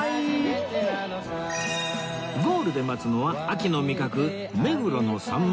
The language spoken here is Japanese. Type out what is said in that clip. ゴールで待つのは秋の味覚目黒のさんま